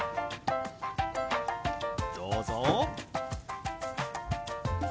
どうぞ！